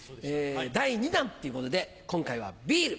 第２弾ということで今回はビール。